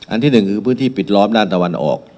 ที่หนึ่งคือพื้นที่ปิดล้อมด้านตะวันออก